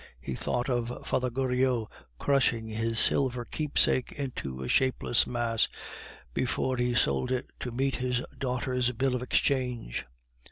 He thought of Father Goriot crushing his silver keepsake into a shapeless mass before he sold it to meet his daughter's bill of exchange.